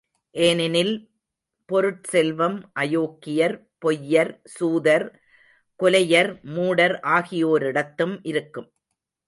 ஏனெனில் பொருட்செல்வம் அயோக்கியர், பொய்யர், சூதர், கொலையர், மூடர் ஆகியோரிடத்தும் இருக்கும்.